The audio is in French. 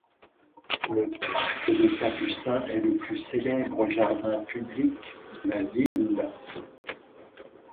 Le parc des Capucins est le plus célèbre jardin public de la ville.